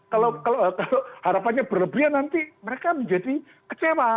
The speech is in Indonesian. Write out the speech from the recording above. kalau harapannya berlebihan nanti mereka menjadi kecewa